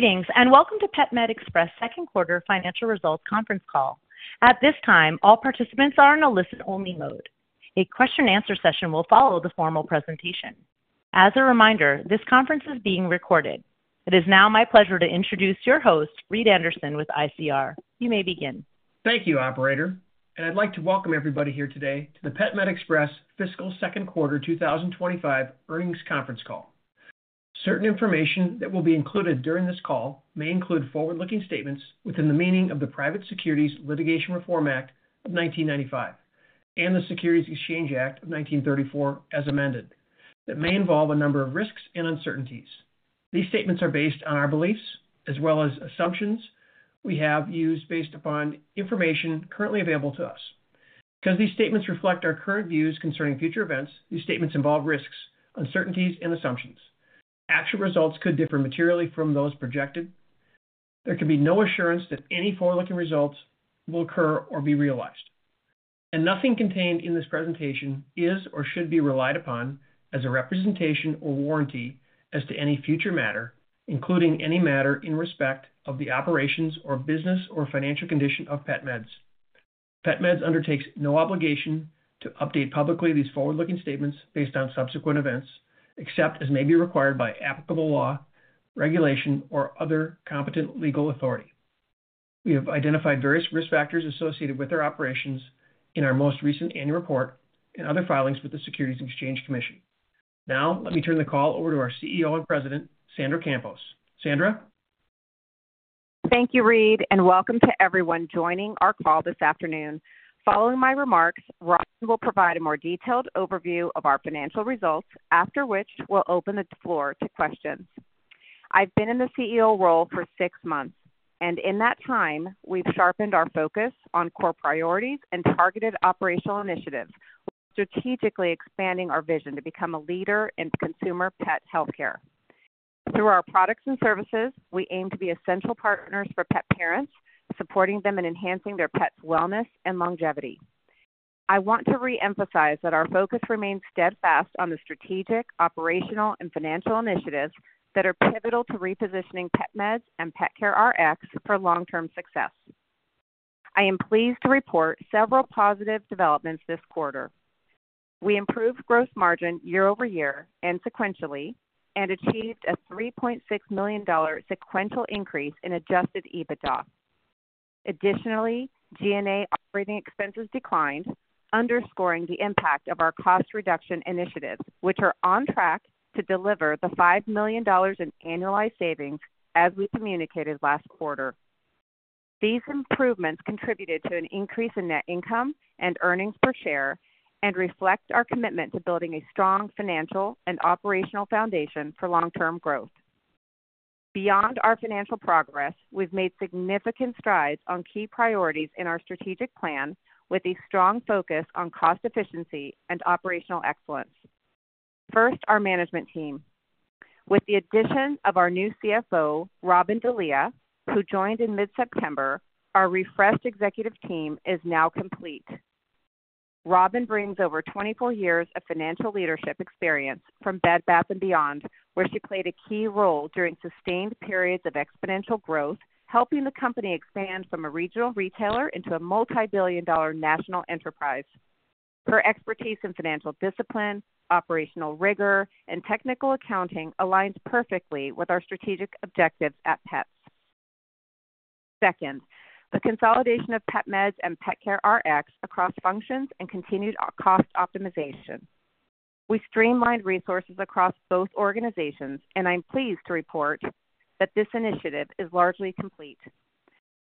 Greetings, and welcome to PetMed Express Second Quarter Financial Results Conference Call. At this time, all participants are in a listen-only mode. A question-and-answer session will follow the formal presentation. As a reminder, this conference is being recorded. It is now my pleasure to introduce your host, Reed Anderson, with ICR. You may begin. Thank you, Operator. And I'd like to welcome everybody here today to the PetMed Express Fiscal Second Quarter 2025 Earnings Conference Call. Certain information that will be included during this call may include forward-looking statements within the meaning of the Private Securities Litigation Reform Act of 1995 and the Securities Exchange Act of 1934 as amended. That may involve a number of risks and uncertainties. These statements are based on our beliefs as well as assumptions we have used based upon information currently available to us. Because these statements reflect our current views concerning future events, these statements involve risks, uncertainties, and assumptions. Actual results could differ materially from those projected. There can be no assurance that any forward-looking results will occur or be realized. Nothing contained in this presentation is or should be relied upon as a representation or warranty as to any future matter, including any matter in respect of the operations or business or financial condition of PetMeds. PetMeds undertakes no obligation to update publicly these forward-looking statements based on subsequent events, except as may be required by applicable law, regulation, or other competent legal authority. We have identified various risk factors associated with their operations in our most recent annual report and other filings with the Securities and Exchange Commission. Now, let me turn the call over to our CEO and President, Sandra Campos. Sandra. Thank you, Reed, and welcome to everyone joining our call this afternoon. Following my remarks, Robyn will provide a more detailed overview of our financial results, after which we'll open the floor to questions. I've been in the CEO role for six months, and in that time, we've sharpened our focus on core priorities and targeted operational initiatives, strategically expanding our vision to become a leader in consumer pet healthcare. Through our products and services, we aim to be essential partners for pet parents, supporting them in enhancing their pets' wellness and longevity. I want to re-emphasize that our focus remains steadfast on the strategic, operational, and financial initiatives that are pivotal to repositioning PetMeds and PetCareRx for long-term success. I am pleased to report several positive developments this quarter. We improved gross margin year over year and sequentially and achieved a $3.6 million sequential increase in Adjusted EBITDA. Additionally, G&A operating expenses declined, underscoring the impact of our cost reduction initiatives, which are on track to deliver the $5 million in annualized savings as we communicated last quarter. These improvements contributed to an increase in net income and earnings per share and reflect our commitment to building a strong financial and operational foundation for long-term growth. Beyond our financial progress, we've made significant strides on key priorities in our strategic plan with a strong focus on cost efficiency and operational excellence. First, our management team. With the addition of our new CFO, Robyn D'Elia, who joined in mid-September, our refreshed executive team is now complete. Robyn brings over 24 years of financial leadership experience from Bed Bath & Beyond, where she played a key role during sustained periods of exponential growth, helping the company expand from a regional retailer into a multi-billion dollar national enterprise. Her expertise in financial discipline, operational rigor, and technical accounting aligns perfectly with our strategic objectives at PetMeds. Second, the consolidation of PetMeds and PetCareRx across functions and continued cost optimization. We streamlined resources across both organizations, and I'm pleased to report that this initiative is largely complete.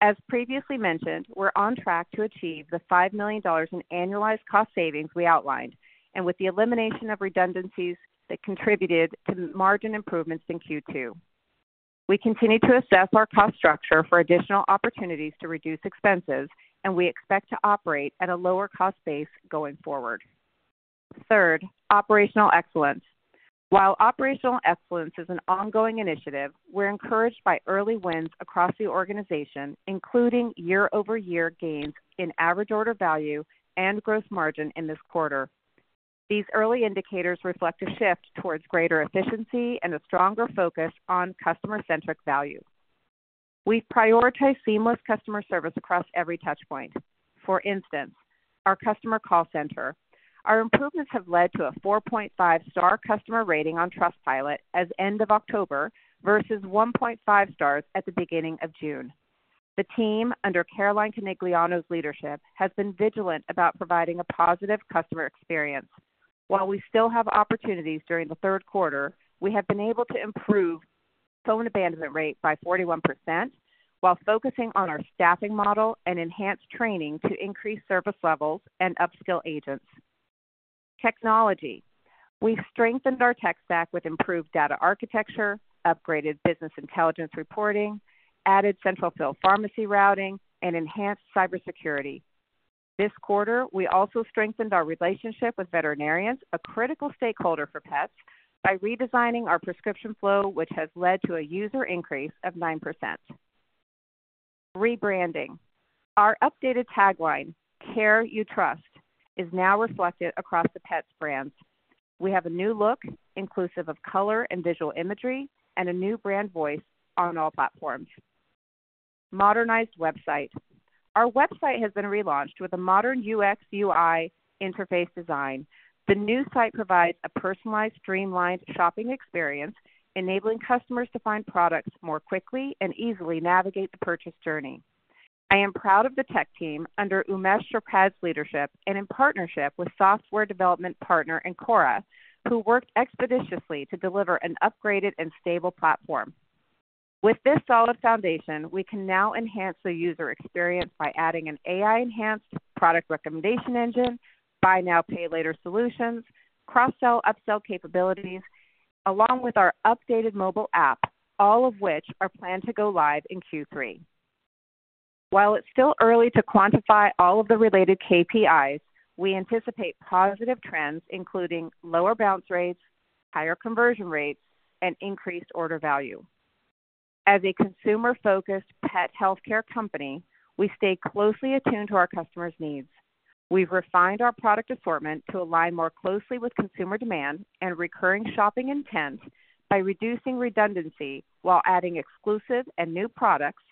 As previously mentioned, we're on track to achieve the $5 million in annualized cost savings we outlined, and with the elimination of redundancies that contributed to margin improvements in Q2. We continue to assess our cost structure for additional opportunities to reduce expenses, and we expect to operate at a lower cost base going forward. Third, operational excellence. While operational excellence is an ongoing initiative, we're encouraged by early wins across the organization, including year-over-year gains in average order value and gross margin in this quarter. These early indicators reflect a shift towards greater efficiency and a stronger focus on customer-centric value. We've prioritized seamless customer service across every touchpoint. For instance, our customer call center. Our improvements have led to a 4.5-star customer rating on Trustpilot as of end of October versus 1.5 stars at the beginning of June. The team, under Caroline Canigliano's leadership, has been vigilant about providing a positive customer experience. While we still have opportunities during the third quarter, we have been able to improve the phone abandonment rate by 41% while focusing on our staffing model and enhanced training to increase service levels and upskill agents. Technology. We've strengthened our tech stack with improved data architecture, upgraded business intelligence reporting, added central field pharmacy routing, and enhanced cybersecurity. This quarter, we also strengthened our relationship with veterinarians, a critical stakeholder for pets, by redesigning our prescription flow, which has led to a user increase of 9%. Rebranding. Our updated tagline, "Care You Trust," is now reflected across the pets' brands. We have a new look inclusive of color and visual imagery and a new brand voice on all platforms. Modernized website. Our website has been relaunched with a modern UX/UI interface design. The new site provides a personalized, streamlined shopping experience, enabling customers to find products more quickly and easily navigate the purchase journey. I am proud of the tech team under Umesh Sripad's leadership and in partnership with software development partner Encora, who worked expeditiously to deliver an upgraded and stable platform. With this solid foundation, we can now enhance the user experience by adding an AI-enhanced product recommendation engine, buy now, pay later solutions, cross-sell, upsell capabilities, along with our updated mobile app, all of which are planned to go live in Q3. While it's still early to quantify all of the related KPIs, we anticipate positive trends, including lower bounce rates, higher conversion rates, and increased order value. As a consumer-focused pet healthcare company, we stay closely attuned to our customers' needs. We've refined our product assortment to align more closely with consumer demand and recurring shopping intent by reducing redundancy while adding exclusive and new products,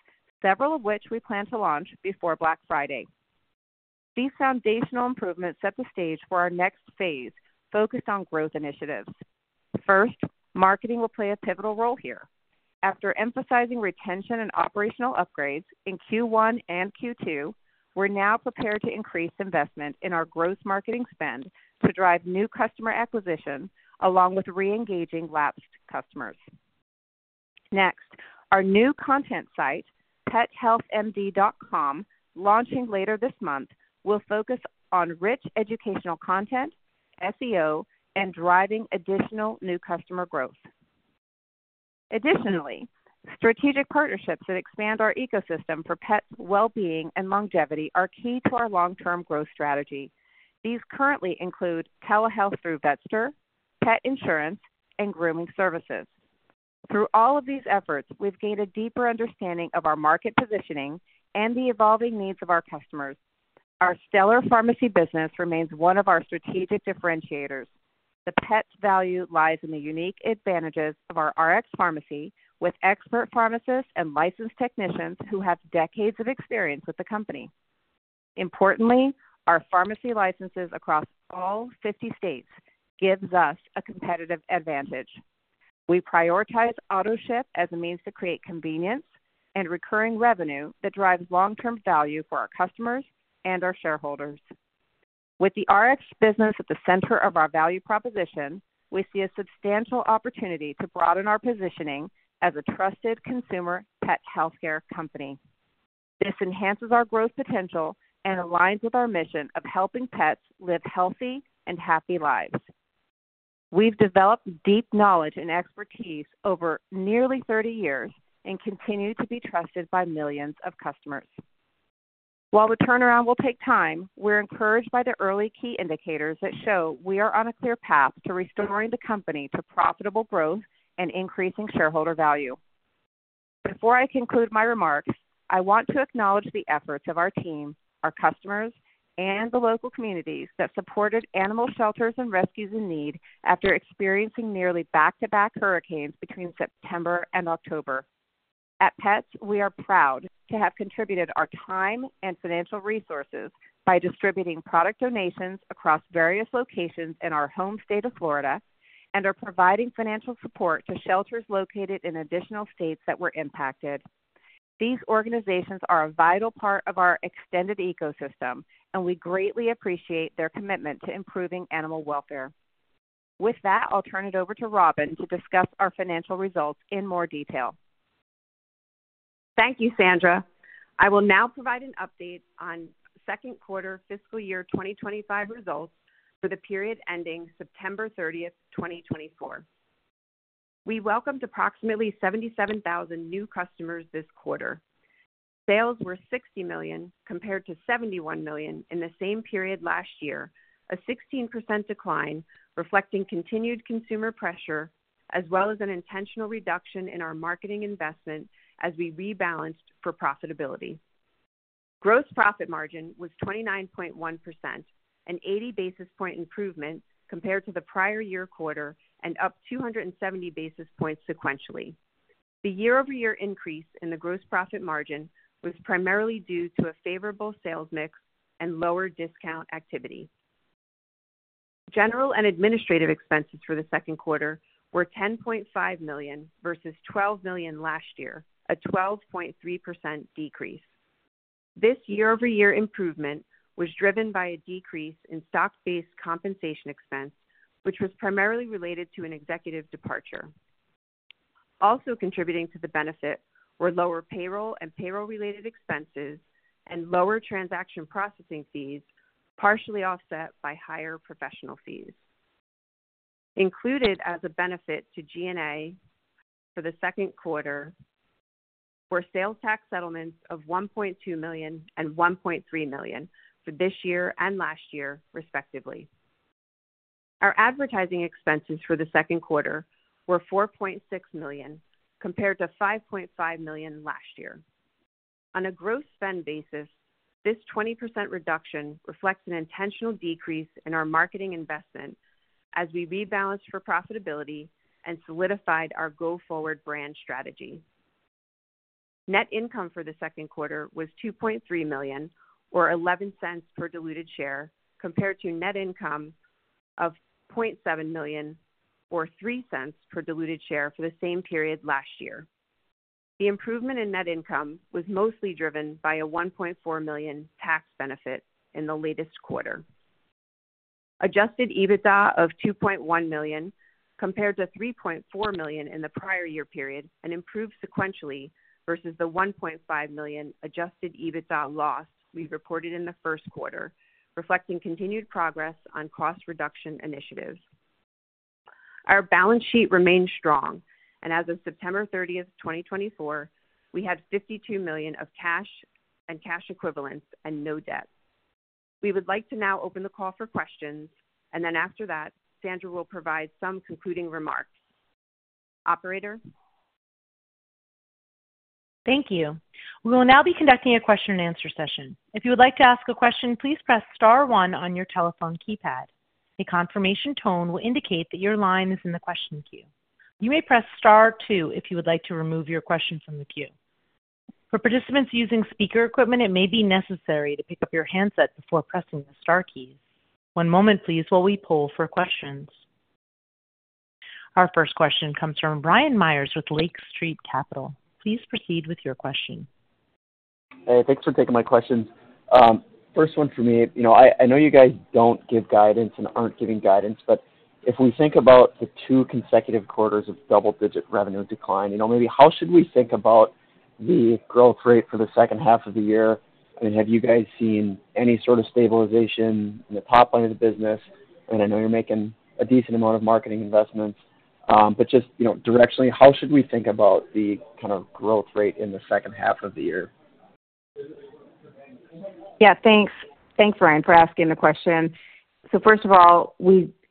several of which we plan to launch before Black Friday. These foundational improvements set the stage for our next phase focused on growth initiatives. First, marketing will play a pivotal role here. After emphasizing retention and operational upgrades in Q1 and Q2, we're now prepared to increase investment in our gross marketing spend to drive new customer acquisition along with re-engaging lapsed customers. Next, our new content site, pethealthmd.com, launching later this month, will focus on rich educational content, SEO, and driving additional new customer growth. Additionally, strategic partnerships that expand our ecosystem for pets' well-being and longevity are key to our long-term growth strategy. These currently include telehealth through Vetster, pet insurance, and grooming services. Through all of these efforts, we've gained a deeper understanding of our market positioning and the evolving needs of our customers. Our stellar pharmacy business remains one of our strategic differentiators. The pet value lies in the unique advantages of our Rx pharmacy with expert pharmacists and licensed technicians who have decades of experience with the company. Importantly, our pharmacy licenses across all 50 states give us a competitive advantage. We prioritize AutoShip as a means to create convenience and recurring revenue that drives long-term value for our customers and our shareholders. With the Rx business at the center of our value proposition, we see a substantial opportunity to broaden our positioning as a trusted consumer pet healthcare company. This enhances our growth potential and aligns with our mission of helping pets live healthy and happy lives. We've developed deep knowledge and expertise over nearly 30 years and continue to be trusted by millions of customers. While the turnaround will take time, we're encouraged by the early key indicators that show we are on a clear path to restoring the company to profitable growth and increasing shareholder value. Before I conclude my remarks, I want to acknowledge the efforts of our team, our customers, and the local communities that supported animal shelters and rescues in need after experiencing nearly back-to-back hurricanes between September and October. At PetMeds, we are proud to have contributed our time and financial resources by distributing product donations across various locations in our home state of Florida and are providing financial support to shelters located in additional states that were impacted. These organizations are a vital part of our extended ecosystem, and we greatly appreciate their commitment to improving animal welfare. With that, I'll turn it over to Robyn to discuss our financial results in more detail. Thank you, Sandra. I will now provide an update on second quarter fiscal year 2025 results for the period ending September 30, 2024. We welcomed approximately 77,000 new customers this quarter. Sales were $60 million compared to $71 million in the same period last year, a 16% decline reflecting continued consumer pressure as well as an intentional reduction in our marketing investment as we rebalanced for profitability. Gross profit margin was 29.1%, an 80 basis point improvement compared to the prior year quarter and up 270 basis points sequentially. The year-over-year increase in the gross profit margin was primarily due to a favorable sales mix and lower discount activity. General and administrative expenses for the second quarter were $10.5 million versus $12 million last year, a 12.3% decrease. This year-over-year improvement was driven by a decrease in stock-based compensation expense, which was primarily related to an executive departure. Also contributing to the benefit were lower payroll and payroll-related expenses and lower transaction processing fees, partially offset by higher professional fees. Included as a benefit to G&A for the second quarter were sales tax settlements of $1.2 million and $1.3 million for this year and last year, respectively. Our advertising expenses for the second quarter were $4.6 million compared to $5.5 million last year. On a gross spend basis, this 20% reduction reflects an intentional decrease in our marketing investment as we rebalanced for profitability and solidified our go-forward brand strategy. Net income for the second quarter was $2.3 million, or $0.11 per diluted share, compared to net income of $0.7 million, or $0.03 per diluted share for the same period last year. The improvement in net income was mostly driven by a $1.4 million tax benefit in the latest quarter. Adjusted EBITDA of $2.1 million compared to $3.4 million in the prior year period and improved sequentially versus the $1.5 million adjusted EBITDA loss we reported in the first quarter, reflecting continued progress on cost reduction initiatives. Our balance sheet remains strong, and as of September 30, 2024, we have $52 million of cash and cash equivalents and no debt. We would like to now open the call for questions, and then after that, Sandra will provide some concluding remarks. Operator. Thank you. We will now be conducting a question-and-answer session. If you would like to ask a question, please press star one on your telephone keypad. A confirmation tone will indicate that your line is in the question queue. You may press star two if you would like to remove your question from the queue. For participants using speaker equipment, it may be necessary to pick up your handset before pressing the star keys. One moment, please, while we pull for questions. Our first question comes from Ryan Meyers with Lake Street Capital. Please proceed with your question. Hey, thanks for taking my questions. First one for me, I know you guys don't give guidance and aren't giving guidance, but if we think about the two consecutive quarters of double-digit revenue decline, maybe how should we think about the growth rate for the second half of the year? I mean, have you guys seen any sort of stabilization in the top line of the business? I mean, I know you're making a decent amount of marketing investments, but just directionally, how should we think about the kind of growth rate in the second half of the year? Yeah, thanks. Thanks, Brian, for asking the question. So first of all,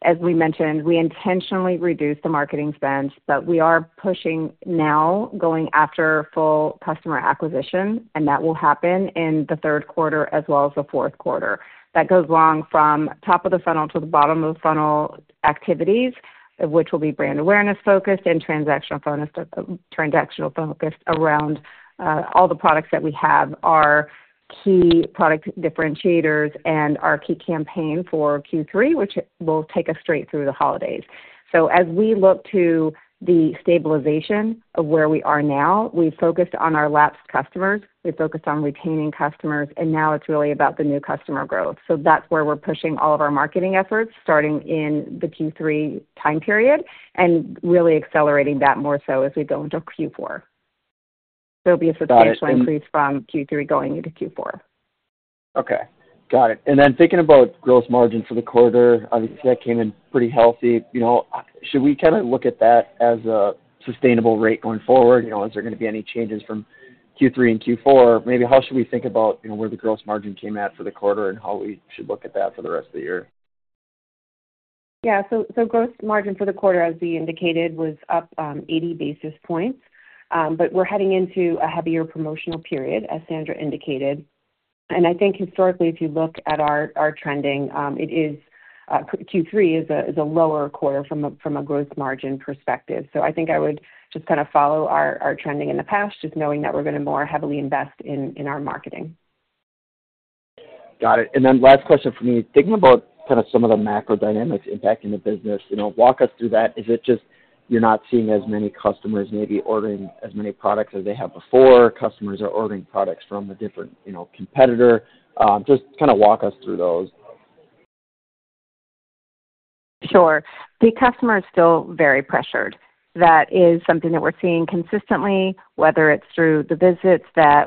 as we mentioned, we intentionally reduced the marketing spend, but we are pushing now going after full customer acquisition, and that will happen in the third quarter as well as the fourth quarter. That goes long from top of the funnel to the bottom of the funnel activities, which will be brand awareness-focused and transactional focused around all the products that we have, our key product differentiators, and our key campaign for Q3, which will take us straight through the holidays. So as we look to the stabilization of where we are now, we focused on our lapsed customers. We focused on retaining customers, and now it's really about the new customer growth. So that's where we're pushing all of our marketing efforts starting in the Q3 time period and really accelerating that more so as we go into Q4. There'll be a substantial increase from Q3 going into Q4. Okay. Got it. And then thinking about gross margin for the quarter, obviously that came in pretty healthy. Should we kind of look at that as a sustainable rate going forward? Is there going to be any changes from Q3 and Q4? Maybe how should we think about where the gross margin came at for the quarter and how we should look at that for the rest of the year? Yeah. So gross margin for the quarter, as we indicated, was up 80 basis points, but we're heading into a heavier promotional period, as Sandra indicated. And I think historically, if you look at our trending, Q3 is a lower quarter from a gross margin perspective. So I think I would just kind of follow our trending in the past, just knowing that we're going to more heavily invest in our marketing. Got it. And then last question for me, thinking about kind of some of the macro dynamics impacting the business, walk us through that. Is it just you're not seeing as many customers maybe ordering as many products as they had before? Customers are ordering products from a different competitor. Just kind of walk us through those. Sure. The customer is still very pressured. That is something that we're seeing consistently, whether it's through the visits that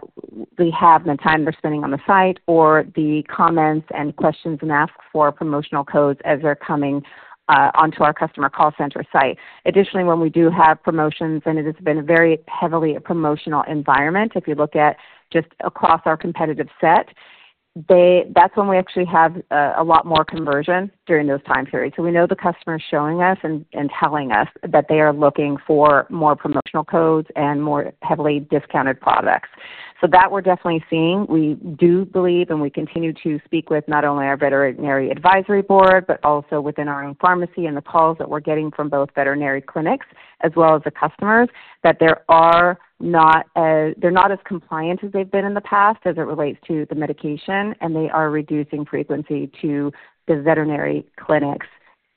we have and the time they're spending on the site or the comments and questions and asks for promotional codes as they're coming onto our customer call center site. Additionally, when we do have promotions and it has been a very heavily promotional environment, if you look at just across our competitive set, that's when we actually have a lot more conversion during those time periods. We know the customer is showing us and telling us that they are looking for more promotional codes and more heavily discounted products. That we're definitely seeing. We do believe, and we continue to speak with not only our veterinary advisory board, but also within our own pharmacy and the calls that we're getting from both veterinary clinics as well as the customers, that they're not as compliant as they've been in the past as it relates to the medication, and they are reducing frequency to the veterinary clinics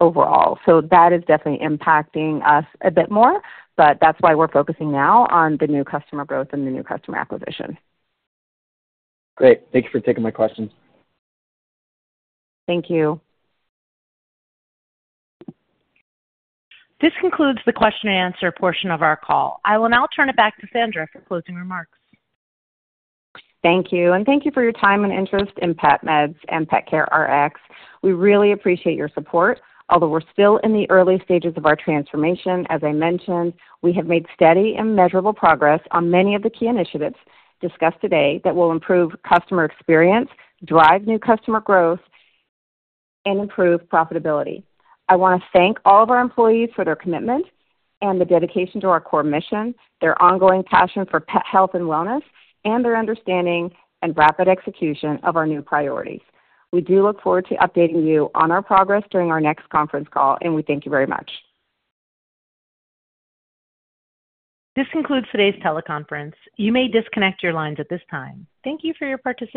overall. So that is definitely impacting us a bit more, but that's why we're focusing now on the new customer growth and the new customer acquisition. Great. Thank you for taking my questions. Thank you. This concludes the question-and-answer portion of our call. I will now turn it back to Sandra for closing remarks. Thank you. And thank you for your time and interest in PetMeds and PetCareRx. We really appreciate your support, although we're still in the early stages of our transformation. As I mentioned, we have made steady and measurable progress on many of the key initiatives discussed today that will improve customer experience, drive new customer growth, and improve profitability. I want to thank all of our employees for their commitment and the dedication to our core mission, their ongoing passion for pet health and wellness, and their understanding and rapid execution of our new priorities. We do look forward to updating you on our progress during our next conference call, and we thank you very much. This concludes today's teleconference. You may disconnect your lines at this time. Thank you for your participation.